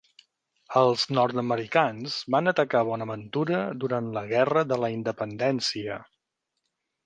Els nord-americans van atacar Bonaventura durant la Guerra de la Independència.